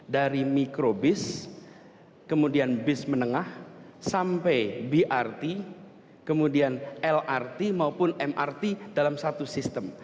dari mikrobis kemudian bis menengah sampai brt kemudian lrt maupun mrt dalam satu sistem